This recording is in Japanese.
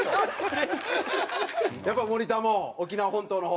やっぱ森田も沖縄本島の方？